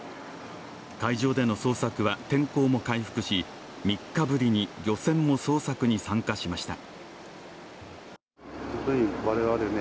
海上での捜索は天候も回復し、３日ぶりに漁船も捜索に参加しました。